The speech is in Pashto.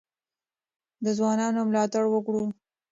د ځوانانو ملاتړ وکړو.